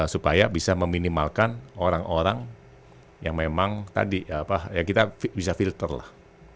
supaya bisa meminimalkan orang orang yang memang tadi kita bisa filter lah